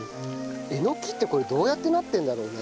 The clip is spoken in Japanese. えのきってこれどうやってなってるんだろうね？